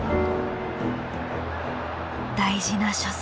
大事な初戦。